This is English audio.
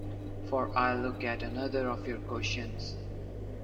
For I look at another of your questions.